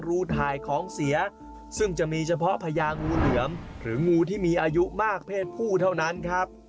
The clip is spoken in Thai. รูถ่ายของเสียซึ่งจะมีเฉพาะพญางูเหลือมหรืองูที่มีอายุมากเพศผู้เท่านั้นครับ